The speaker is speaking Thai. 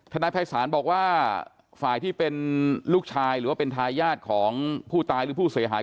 นายภัยศาลบอกว่าฝ่ายที่เป็นลูกชายหรือว่าเป็นทายาทของผู้ตายหรือผู้เสียหาย